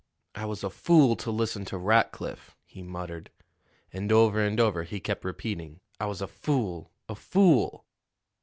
"I was a fool to listen to Rackliff," he muttered; and over and over he kept repeating, "I was a fool, a fool!"